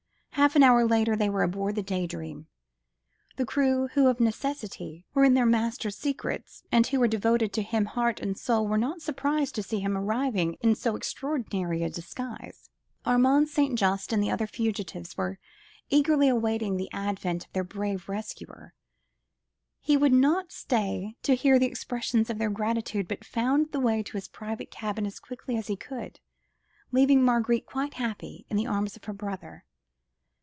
Half an hour later, they were on board the Day Dream. The crew, who of necessity were in their master's secrets, and who were devoted to him heart and soul, were not surprised to see him arriving in so extraordinary a disguise. Armand St. Just and the other fugitives were eagerly awaiting the advent of their brave rescuer; he would not stay to hear the expressions of their gratitude, but found his way to his private cabin as quickly as he could, leaving Marguerite quite happy in the arms of her brother.